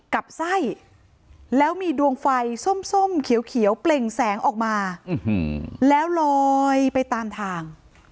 กับไส้แล้วมีดวงไฟส้มเขียวเปล่งแสงออกมาแล้วลอยไปตามทาง